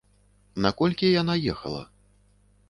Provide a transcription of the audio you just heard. На колькі яна ехала?